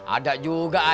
ada juga istana